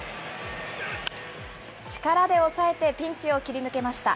力で抑えて、ピンチを切り抜けました。